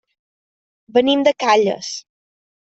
Venim de Calles.